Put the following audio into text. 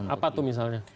apa tuh misalnya